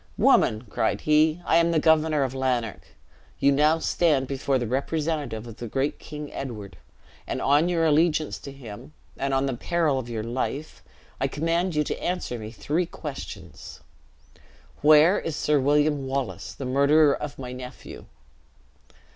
"Woman!" cried he, "I am the Governor of Lanark. You now stand before the representative of the great King Edward, and on your allegiance to him, and on the peril of your life, I command you to answer me three questions. Where is Sir William Wallace, the murderer of my nephew?